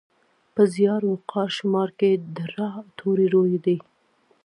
په زیار، وقار، شمار کې د راء توری روي دی.